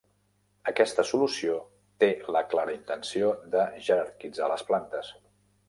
Aquesta solució té la clara intenció de jerarquitzar les plantes.